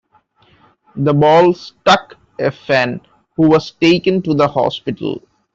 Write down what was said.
The ball struck a fan, who was taken to the hospital.